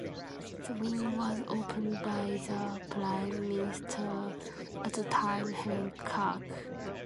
The wing was opened by the Prime Minister at the time, Helen Clark.